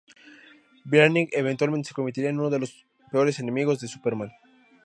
Brainiac eventualmente se convertirá en uno de los peores enemigos de Superman.